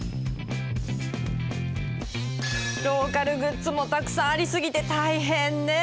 ローカルグッズもたくさんありすぎて大変ねえ。